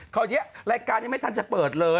คราวนี้รายการยังไม่ทันจะเปิดเลย